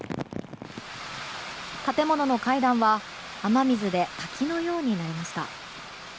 建物の階段は雨水で滝のようになりました。